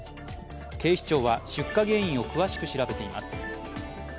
警視庁は出火原因を詳しく調べています。